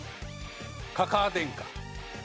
かかあ天下。